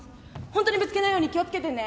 本当にぶつけないように気を付けてね。